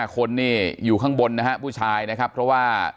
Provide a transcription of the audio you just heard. คนนี่อยู่ข้างบนนะฮะผู้ชายนะครับเพราะว่า